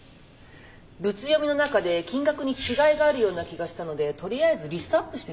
ブツ読みの中で金額に違いがあるような気がしたので取りあえずリストアップしてみたんです。